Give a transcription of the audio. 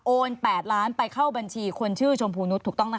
โอน๘ล้านไปเข้าบัญชีคนชื่อชมพูนุษท์